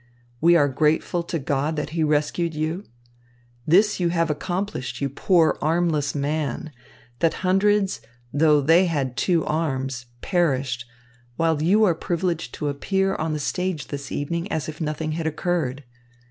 "We are grateful to God that he rescued you. This you have accomplished, you poor armless man, that hundreds, though they had two arms, perished, while you are privileged to appear on the stage this evening as if nothing had occurred.